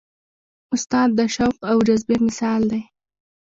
استاد د شوق او جذبې مثال دی.